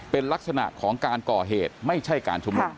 เป็นลักษณะของการก่อเหตุไม่ใช่การชุมนุม